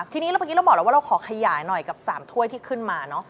ทีนี้แล้วเมื่อกี้เราบอกแล้วว่าเราขอขยายหน่อยกับ๓ถ้วยที่ขึ้นมาเนอะ